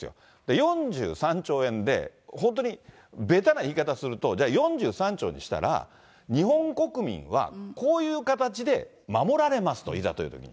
４３兆円で本当にべたな言い方すると、じゃあ、４３兆にしたら、日本国民はこういう形で守られますと、いざというときに。